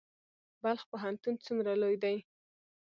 بلخ پوهنتون څومره لوی دی؟